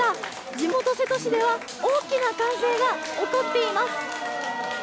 地元・瀬戸市では大きな歓声が起こっています。